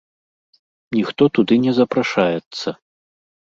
Ніхто туды не запрашаецца.